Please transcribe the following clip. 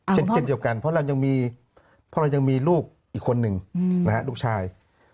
เช่นเกี่ยวกันเพราะเรายังมีลูกอีกคนนึงลูกชาย